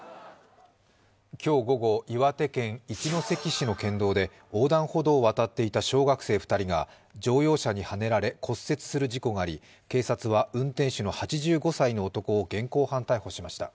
今日午後、岩手県一関市の県道で横断歩道を渡っていた小学生２人が乗用車にはねられ骨折する事故があり警察は運転手の８５歳の男を現行犯逮捕しました。